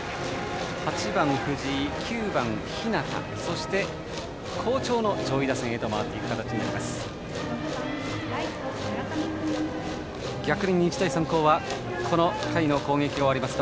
８番の藤井、９番の日當そして、好調の上位打線へと回っていく形になります。